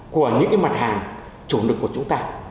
của những cái mặt hàng chủ lực của chúng ta